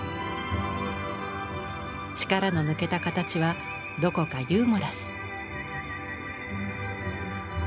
力の抜けた形はどこかユーモラス。